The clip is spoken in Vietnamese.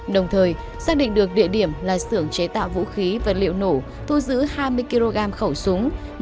đồng thời xác định được địa điểm là xưởng chế tạo vũ khí vật liệu nổ thu giữ hai mươi kg khẩu súng